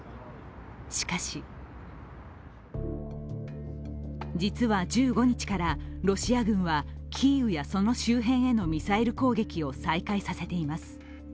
しかし実は１５日からロシア軍はキーウやその周辺へのミサイル攻撃を再開させています。